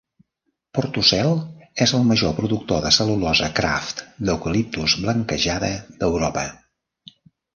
Portucel és el major productor de cel·lulosa Kraft d'eucaliptus blanquejada d'Europa.